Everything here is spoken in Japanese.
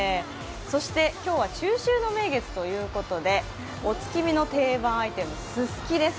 そして今日は中秋の名月ということでお月見の定番アイテム、すすきです。